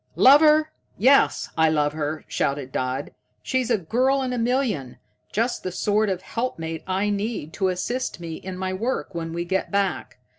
"Love her? Yes, I love her," shouted Dodd. "She's a girl in a million. Just the sort of helpmate I need to assist me in my work when we get back.